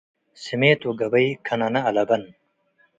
ስሜት ወገበይ ከነነ አለበን።